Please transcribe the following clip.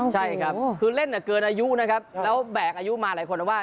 ใช่ครับคือเล่นเกินอายุแล้วแบกอายุมาหลายคนว่า